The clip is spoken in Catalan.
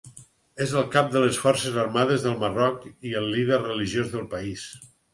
És el cap de les Forces armades del Marroc i el líder religiós del país.